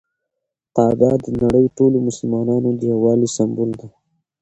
کعبه د نړۍ ټولو مسلمانانو د یووالي سمبول ده.